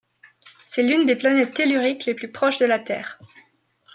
C'est l'une des planètes telluriques les plus proches de la Terre.